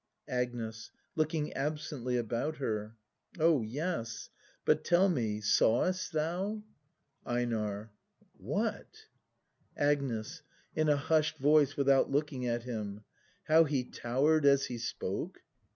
Agnes. [Looking absenthj about her.] Oh, yes. But tell me— sawest thou ? ACT I] BRAND 47 EiNAR. What? Agnes. [In a hushed voice, without looking at him.] How he tower'd as he spoke